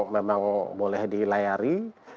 memang boleh dilayari